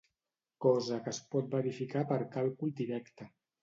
Cosa que es pot verificar per càlcul directe.